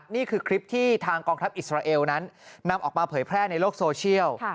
นี่คือคลิปที่ทางกองทัพอิสราเอลนั้นนำออกมาเผยแพร่ในโลกโซเชียล